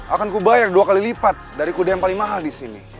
akan kubayar dua kali lipat dari kuda yang paling mahal di sini